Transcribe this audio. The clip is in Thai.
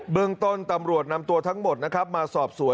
เรื่องต้นตำรวจนำตัวทั้งหมดนะครับมาสอบสวน